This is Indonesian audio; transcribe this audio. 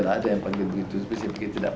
ya ada yang panggil begitu